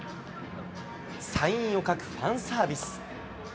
サインを書くファンサービス。